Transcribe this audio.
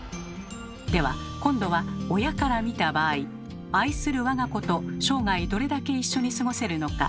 では今度は親から見た場合愛する我が子と生涯どれだけ一緒に過ごせるのか。